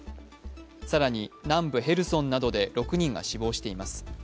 更に、南部ヘルソンなどで６人が死亡しています。